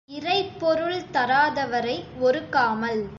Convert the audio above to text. இறைப்பொருள் தராதவரை ஒறுக்காமல்.